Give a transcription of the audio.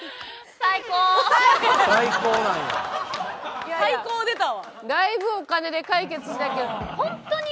「最高」出たわ。